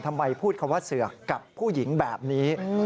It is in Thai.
พูดคำว่าเสือกกับผู้หญิงแบบนี้